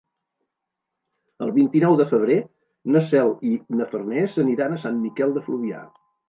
El vint-i-nou de febrer na Cel i na Farners aniran a Sant Miquel de Fluvià.